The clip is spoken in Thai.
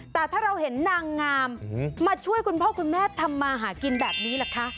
แต่ถ้าเราเห็นนางงามมาช่วยคุณพ่อคุณแม่ทำมาหากินแบบนี้ล่ะคะ